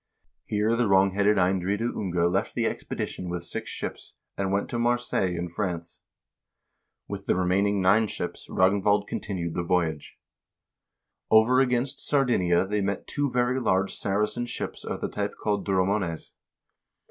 Here the wrongheaded Eindride Unge left the expedition with six ships, and went to Marseilles in France. With the remaining nine ships Ragnvald continued the voyage. "Over against Sardinia they met two very large Saracen ships of the type called dromones."